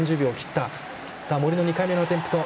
森の２回目のアテンプト。